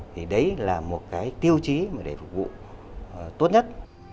thì đấy là một cái tiêu chí mà để phục vụ tốt nhất